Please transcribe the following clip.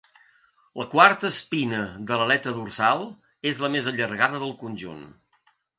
La quarta espina de l'aleta dorsal és la més allargada del conjunt.